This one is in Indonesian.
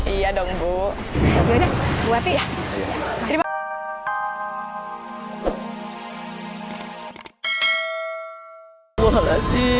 iya dong bu ya